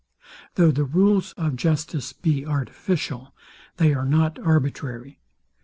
Though the rules of justice be artificial, they are not arbitrary.